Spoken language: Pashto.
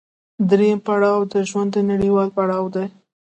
درېیم پړاو د ژوند د نويوالي پړاو دی